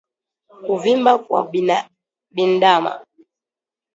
Kuvimba kwa bandama